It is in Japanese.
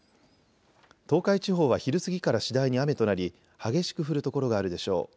東海地方は昼過ぎから次第に雨となり激しく降る所があるでしょう。